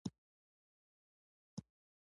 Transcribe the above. ميرويس خان سړه سا وايسته.